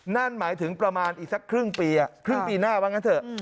นั่นหมายถึงประมาณอีกสักครึ่งปีครึ่งปีหน้าว่างั้นเถอะ